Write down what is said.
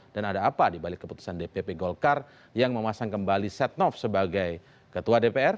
dan ada apa dibalik keputusan dpp golkar yang memasang kembali setianowanto sebagai ketua dpr